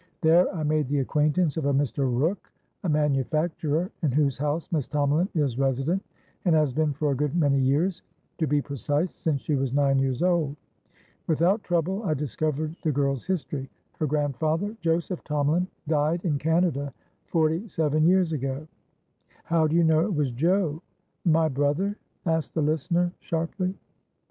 There I made the acquaintance of a Mr. Rooke, a manufacturer, in whose house Miss Tomalin is resident, and has been for a good many years; to be precise, since she was nine years old. Without trouble I discovered the girl's history. Her grandfather, Joseph Tomalin, died in Canada forty seven years ago" "How do you know it was Jomy brother?" asked the listener, sharply.